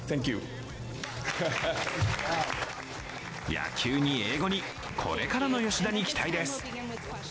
野球に英語にこれからの吉田に期待です。